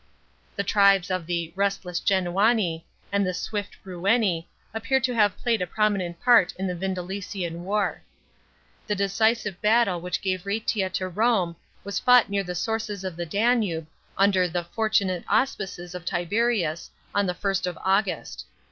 f The tribes of the " restless Genauni " and the " swift Breuni " appear to have played a prominent part in the Vindelician war.J The decisive battle which gave Raetia to Rome was fought near the sources of the Danube, under " the fortunate auspices" of Tiberius, on the 1st of August.